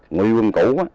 nguyên quân cũ